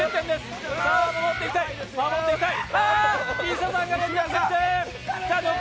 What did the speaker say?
守っていたい。